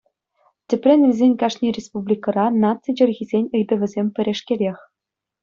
Тӗпрен илсен кашни республикӑра наци чӗлхисен ыйтӑвӗсем пӗрешкелех.